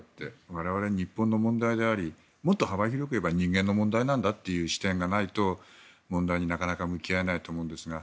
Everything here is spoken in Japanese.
我々、日本の問題でありもっと幅広くいえば人間の問題なんだという視点がないと問題になかなか向き合えないと思うんですが。